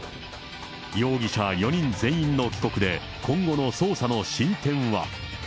容疑者４人全員の帰国で、今後の捜査の進展は。